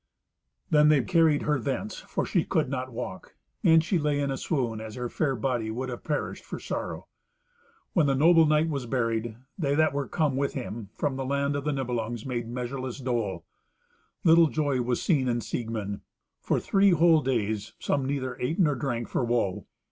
Then they carried her thence, for she could not walk. And she lay in a swoon, as her fair body would have perished for sorrow. When the noble knight was buried, they that were come with him from the land of the Nibelungs made measureless dole. Little joy was seen in Siegmund. For three whole days some neither ate nor drank for woe.